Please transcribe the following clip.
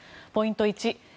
ポイント